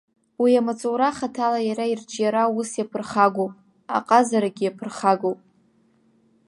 Уи амаҵура хаҭала иара ирҿиара аус иаԥырхагоуп, аҟазарагьы иаԥырхагоуп.